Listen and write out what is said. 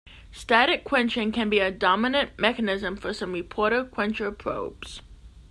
Static quenching can be a dominant mechanism for some reporter-quencher probes.